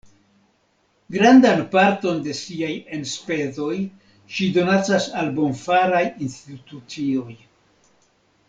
Grandan parton de siaj enspezoj ŝi donacas al bonfaraj institucioj.